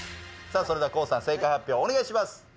さあそれではＫＯＯさん正解発表お願いします！